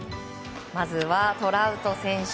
まずはトラウト選手。